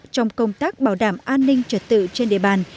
trong công tác bảo đảm an ninh trật tự trên địa bàn